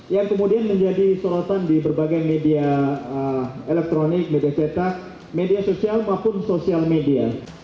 yang kemudian menjadi sorotan di berbagai media elektronik media cetak media sosial maupun sosial media